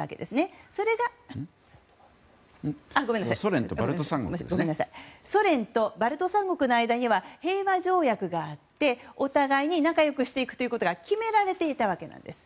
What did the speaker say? もともと、ソ連とバルト三国の間には平和条約があってお互いに仲良くしていくことが決められていたわけです。